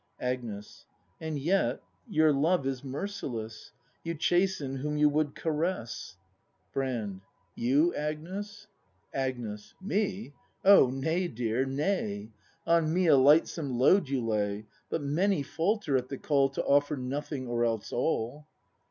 Agnes. And yet — your love is merciless; You chasten whom you would caress. 108 BRAND [ACT in Brand. You, Agnes ? Agnes. Me? O nay, dear, nay! On me a lightsome load you lay. But many falter at the call To offer Nothing or else all.